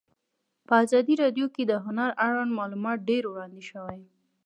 په ازادي راډیو کې د هنر اړوند معلومات ډېر وړاندې شوي.